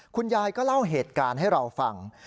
คุณยายก็เล่าเหตุการณ์ให้เราฟัง